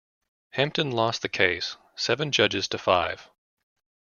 Hampden lost the case, seven judges to five.